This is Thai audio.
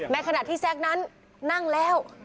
ขณะที่แซ็กนั้นนั่งแล้ว